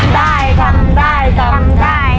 ได้ทำได้ทำได้